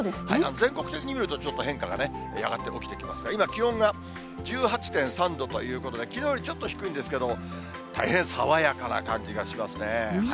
全国的に見ると、ちょっと変化がやがて起きてきますが、今、気温が１８．３度ということで、きのうよりちょっと低いんですけど、大変爽やかな感じがしますね。